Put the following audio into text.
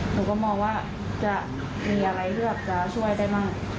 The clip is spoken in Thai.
หนูก็มองว่าจะมีอะไรเลือกจะช่วยได้มาก